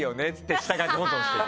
下書き保存してる。